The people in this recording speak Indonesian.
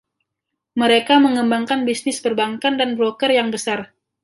Mereka mengembangkan bisnis perbankan dan broker yang besar.